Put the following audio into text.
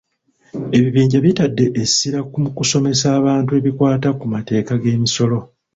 Ebibinja bitadde essira ku kusomesa abantu ebikwata ku mateeka ge'misolo.